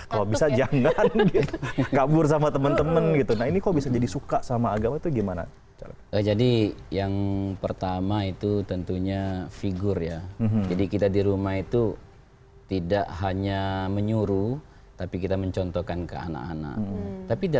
ketika berada di dunia ais wanahla dan usianya belum genap empat tahun tapi ia sudah mampu menghafal lebih dari dua puluh jenis salawat